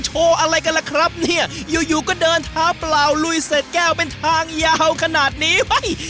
จริงเราก็กลุ่มรายจะลุยเสร็จแก้วเป็นทางยาวขนาดนี้